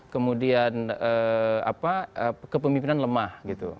kemudian kepemimpinan lemah